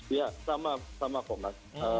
ya sama kok mas